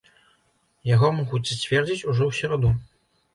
Яго могуць зацвердзіць ужо ў сераду.